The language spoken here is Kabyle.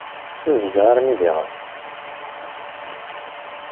Bezgeɣ armi d iɣes.